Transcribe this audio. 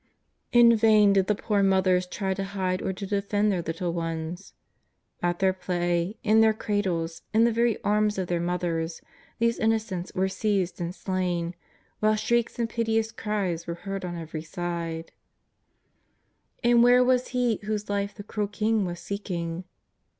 In vain did the poor mothers try to hide or to defend their little ones. At their play, in their cradles, in the very arms of their mothers, these innocents were seized and slain, while shrieks and piteous cries were heard on every side. JESUS OF NAZAEETH. 83 And where was He whose life the cruel king was seeking